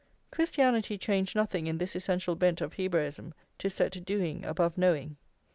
Christianity changed nothing in this essential bent of Hebraism to set doing above knowing.